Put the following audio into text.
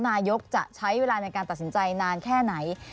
นายกจะใช้เวลาในการตัดสินใจนานแค่ไหน